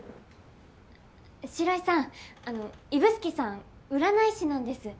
城井さんあの指宿さん占い師なんです。